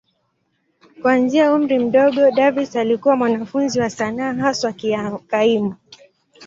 Kuanzia umri mdogo, Davis alikuwa mwanafunzi wa sanaa, haswa kaimu.